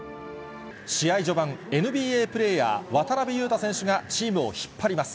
試合序盤、ＮＢＡプレーヤー、渡邊雄太選手がチームを引っ張ります。